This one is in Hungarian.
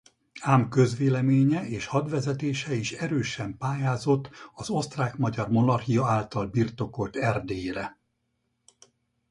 Ám közvéleménye és hadvezetése is erősen pályázott az Osztrák–Magyar Monarchia által birtokolt Erdélyre.